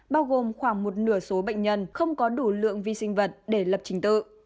bao gồm khoảng một nửa số bệnh nhân không có đủ lượng vi sinh vật để lập trình tự